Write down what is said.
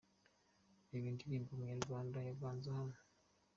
Reba indirimbo Umunyarwanda ya Ganzo hano:.